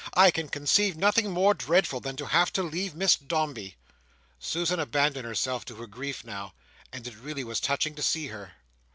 I can conceive nothing more dreadful than to have to leave Miss Dombey." Susan abandoned herself to her grief now, and it really was touching to see her.